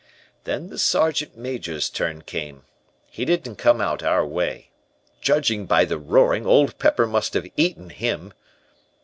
"Then the Sergeant Major's turn came. He didn't come out our way. Judging by the roaring, Old Pepper must have eaten him.